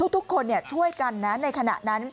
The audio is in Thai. ทุกคนช่วยกันนะในขณะนั้น